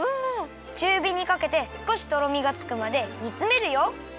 ちゅうびにかけて少しとろみがつくまでにつめるよ。